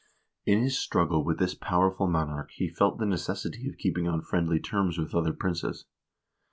In his struggle with this powerful monarch he felt the necessity of keeping on friendly terms with other princes.